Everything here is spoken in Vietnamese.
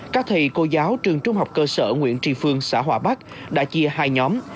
các thầy cô giáo trường trung học cơ sở nguyễn tri phương xã hòa bắc đã chia hai nhóm